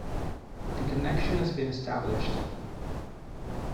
The connection has been established.